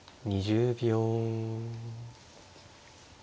２０秒。